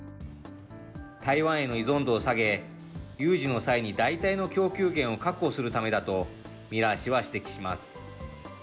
台湾への依存度を下げ、有事の際に代替の供給源を確保するためだと、ミラー氏は指摘します。